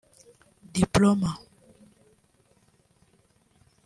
diploma